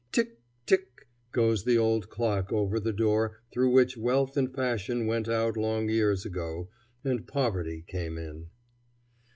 "Tick, tick!" goes the old clock over the door through which wealth and fashion went out long years ago, and poverty came in.